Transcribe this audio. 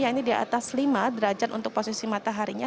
yang ini di atas lima derajat untuk posisi mataharinya